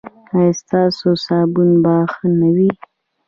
ایا ستاسو صابون به ښه نه وي؟